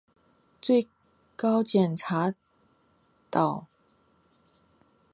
最高检领导、检委会专职委员、检委会委员出席会议并提出意见建议